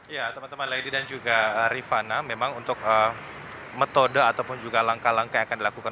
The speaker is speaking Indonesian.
ya teman teman lady dan juga rifana memang untuk metode ataupun juga langkah langkah yang akan dilakukan